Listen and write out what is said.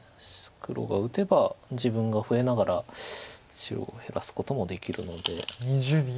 黒が打てば自分が増えながら白を減らすこともできるので。